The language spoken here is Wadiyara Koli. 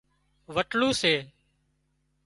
وٽلُو سي